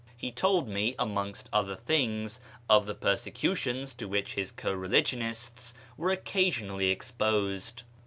He told me, amongst other things, of the persecutions to which his co religionists were occasionally exposed.